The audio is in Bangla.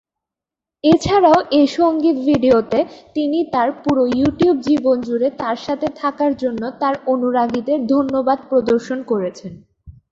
এছাড়াও এই সংগীত ভিডিওতে তিনি তার পুরো ইউটিউব জীবন জুড়ে তার সাথে থাকার জন্য তার অনুরাগীদের ধন্যবাদ প্রদর্শন করেছেন।